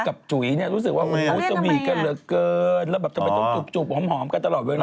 กับจุ๋ยรู้สึกว่าสวีทกันเหลือเกินแล้วทำไมจุบหอมกันตลอดเวลา